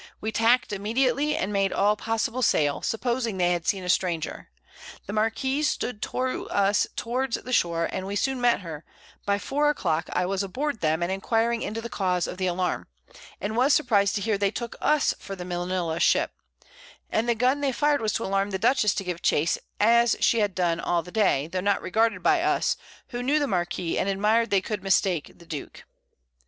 We tackt immediately, and made all possible Sail, supposing they had seen a Stranger; the Marquiss stood to us towards the Shore, and we soon met her; by 4 a Clock I was aboard them, and enquiring into the Cause of the Alarm, was surpriz'd to hear they took us for the Manila Ship, and the Gun they fired was to alarm the Dutchess to give chase, as she had done all the day, tho' not regarded by us, who knew the Marquiss, and admir'd they could mistake the Duke.